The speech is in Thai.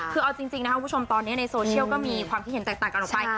คือเอาจริงนะครับคุณผู้ชมตอนนี้ในโซเชียลก็มีความคิดเห็นแตกต่างกันออกไป